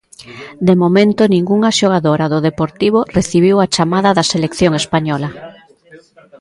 De momento ningunha xogadora do Deportivo recibiu a chamada da Selección española.